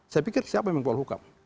saya pikir siapa yang menko pol hukum